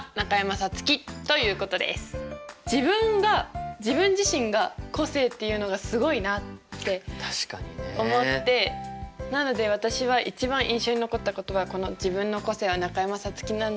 自分が自分自身が個性っていうのがすごいなって思ってなので私は一番印象に残った言葉はこの「自分の個性は中山咲月」なんじゃないかなって